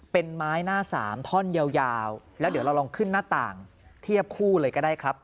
เป็นไม้หน้าสามท่อนยาวแล้วเดี๋ยวเราลองขึ้นหน้าต่างเทียบคู่เลยก็ได้ครับ